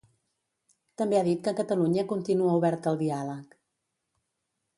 També ha dit que Catalunya continua oberta al diàleg.